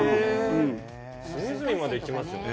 隅々まで行きますよね。